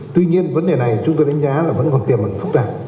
tuy nhiên vấn đề này chúng tôi đánh giá là vẫn còn tiềm mạnh phúc đảm